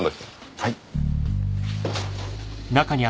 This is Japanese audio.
はい。